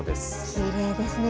きれいですね。